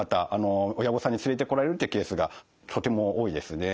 親御さんに連れてこられるっていうケースがとても多いですね。